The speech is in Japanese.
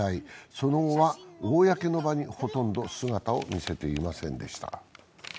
その後は公の場に、ほとんど姿を見せていませんでした。